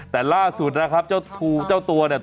แต่ล่าสุดนะครับเจ้าตัวเนี่ย